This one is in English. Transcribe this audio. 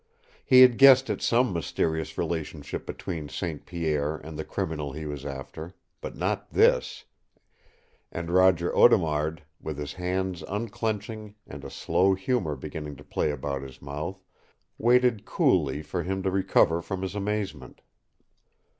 He had guessed at some mysterious relationship between St. Pierre and the criminal he was after, but not this, and Roger Audemard, with his hands unclenching and a slow humor beginning to play about his mouth, waited coolly for him to recover from his amazement.